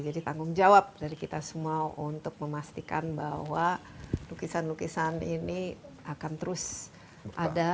jadi tanggung jawab dari kita semua untuk memastikan bahwa lukisan lukisan ini akan terus ada